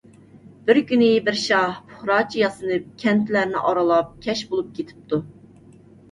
بىر كۈنى بىر شاھ پۇقراچە ياسىنىپ كەنتلەرنى ئارىلاپ، كەچ بولۇپ كېتىپتۇ.